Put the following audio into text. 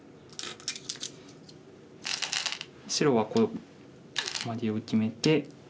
白はこうマゲを決めて。